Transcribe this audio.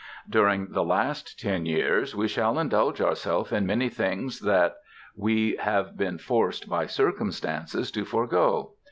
During the last ten years we shall indulge ourself in many things that we have been forced by circumstances to forego.